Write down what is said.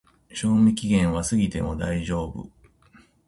賞味期限は過ぎても大丈夫